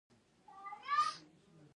د بانجان دانه د قبضیت لپاره وکاروئ